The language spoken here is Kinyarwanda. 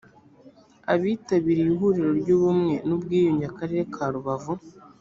abitabiriye ihuriro ry ubumwe n ubwiyunge akarere ka rubavu